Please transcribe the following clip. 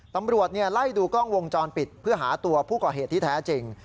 ตำรวจไล่ดูกล้องวงจรปิดเพื่อหาตัวผู้ก่อเหตุที่แท้จริง